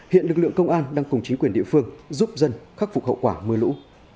hiện lực lượng công an đang cùng chính quyền địa phương giúp dân khắc phục hậu quả mưa lũ